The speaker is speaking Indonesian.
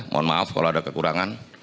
mohon maaf kalau ada kekurangan